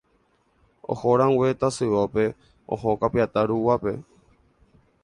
Ohorãngue Tasyópe oho Kapiatã ruguápe.